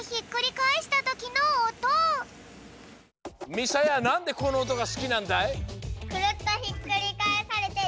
みさやなんでこのおとがすきなんだい？